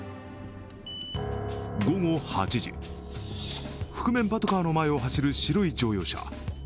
午後８時、覆面パトカーの前を走る白い乗用車。